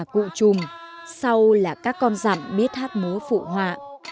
cụ trùm sau là các con dạm biết hát múa phụ họa